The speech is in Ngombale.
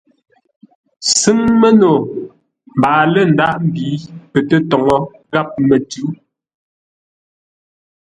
Sʉ́ŋ məno mbaa lə̂ ndághʼ mbǐ pətə́toŋə́ ghámətʉ̌.